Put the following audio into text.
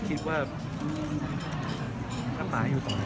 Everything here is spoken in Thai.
ก็คิดว่าถ้าฝ่าอยู่ต่อปีนะ